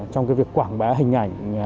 trong việc quảng bá hình ảnh